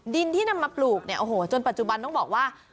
ดินที่นำมาปลูกเนี่ยโอ้โหจนปัจจุบันต้องบอกว่า